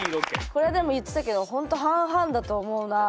これはでも言ってたけどほんと半々だと思うなあ。